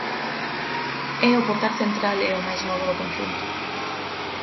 É o portal central e o máis novo do conxunto.